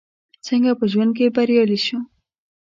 څنګه په ژوند کې بريالي شو ؟